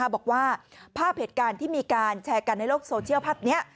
บอกว่าภาพเหตุการณ์ที่มีการแชร์กันในโลกโซเชียลภาพนี้